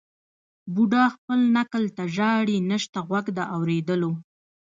بوډا خپل نکل ته ژاړي نسته غوږ د اورېدلو